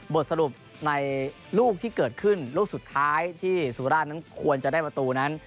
บทสรุปในลูกที่เกิดขึ้นลูกสุดท้ายที่สุราชนั้นควรจะได้ประตูนั้น